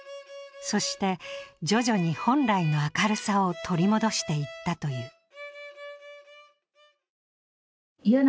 そして徐々に本来の明るさを取り戻していったという。